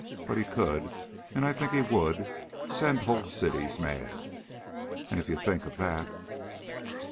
But he could and I think he would send whole cities mad. And if you think of that...."